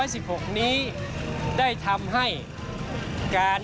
ส่วนต่างกระโบนการ